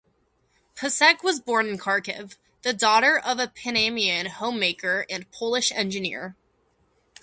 Pasek was born in Kharkiv, the daughter of a Panamanian homemaker and Polish engineer.